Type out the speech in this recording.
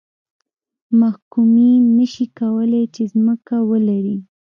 محکومین نه شي کولای چې ځمکه ولري.